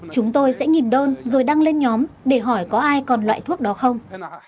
chúng tôi sẽ nhìn đơn rồi đăng lên nhóm để hỏi có ai còn loại thuốc đó không